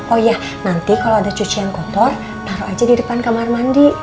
oh iya nanti kalau ada cuci yang kotor taruh aja di depan kamar mandi